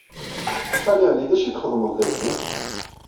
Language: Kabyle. Xali Ɛli, d acu txedmeḍ dagi?